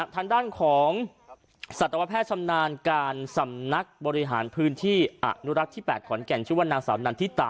ทางด้านของสัตวแพทย์ชำนาญการสำนักบริหารพื้นที่อนุรักษ์ที่๘ขอนแก่นชื่อว่านางสาวนันทิตา